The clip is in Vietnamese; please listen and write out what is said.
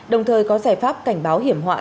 đồng thời có giải pháp cảnh báo hiểm họa